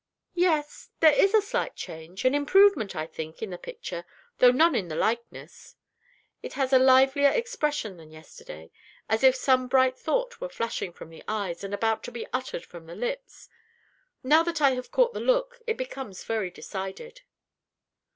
Yes; there is a slight change an improvement, I think, in the picture, though none in the likeness. It has a livelier expression than yesterday, as if some bright thought were flashing from the eyes, and about to be uttered from the lips. Now that I have caught the look, it becomes very decided."